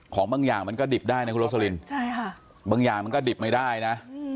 ของบางอย่างมันก็ดิบได้นะคุณโรสลินใช่ค่ะบางอย่างมันก็ดิบไม่ได้นะ